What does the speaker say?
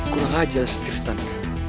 kurang aja setirstans